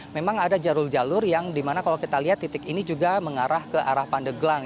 memang ada jalur jalur yang dimana kalau kita lihat titik ini juga mengarah ke arah pandeglang